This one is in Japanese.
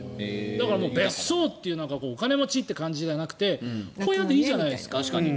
だから別荘というお金持ちという感じじゃなくて小屋でいいじゃないですか。